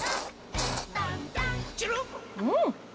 うん！